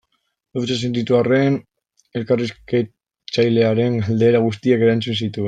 Lotsa sentitu arren elkarrizketatzailearen galdera guztiak erantzun zituen.